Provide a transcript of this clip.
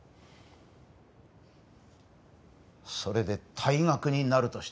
それで退学になるとしても？